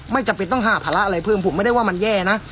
จำเป็นต้องหาภาระอะไรเพิ่มผมไม่ได้ว่ามันแย่นะ